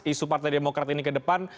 isu partai demokrat ini ke depan